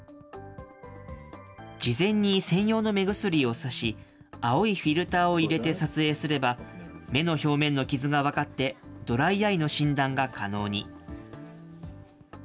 事前に専用の目薬をさし、青いフィルターを入れて撮影すれば、目の表面の傷が分かって、ドライアイの診断が可能に。